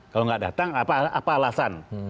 kalau nggak datang apa alasan